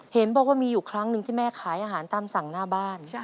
เห็นบอกว่ามีอยู่ครั้งหนึ่งที่แม่ขายอาหารตามสั่งหน้าบ้าน